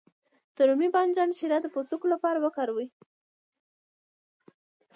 د رومي بانجان شیره د پوستکي لپاره وکاروئ